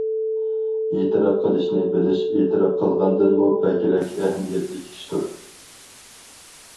ئېتىراپ قىلىشنى بىلىش ئېتىراپ قىلىنغاندىنمۇ بەكرەك ئەھمىيەتلىك ئىشتۇر.